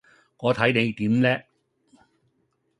我睇你點叻